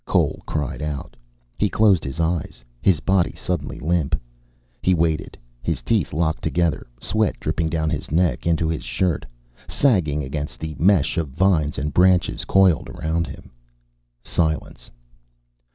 Cole cried out. He closed his eyes, his body suddenly limp. He waited, his teeth locked together, sweat dripping down his neck, into his shirt, sagging against the mesh of vines and branches coiled around him. Silence.